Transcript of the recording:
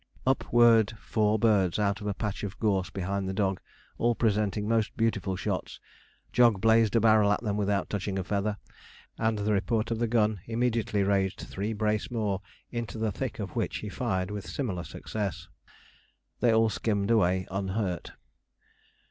Up whirred four birds out of a patch of gorse behind the dog, all presenting most beautiful shots. Jog blazed a barrel at them without touching a feather, and the report of the gun immediately raised three brace more into the thick of which he fired with similar success. They all skimmed away unhurt.